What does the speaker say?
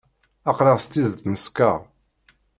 Aql-aɣ s tidet neskeṛ.